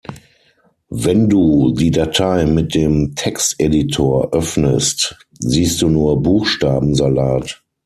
Wenn du die Datei mit dem Texteditor öffnest, siehst du nur Buchstabensalat.